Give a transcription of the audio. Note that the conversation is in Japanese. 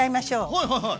はいはいはい。